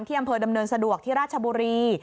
อำเภอดำเนินสะดวกที่ราชบุรี